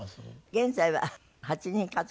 現在は８人家族？